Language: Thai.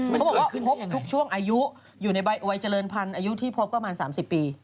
เขาบอกว่าพบทุกช่วงอายุอยู่ในวัยเจริญพันธุ์อายุที่พบก็ประมาณ๓๐ปี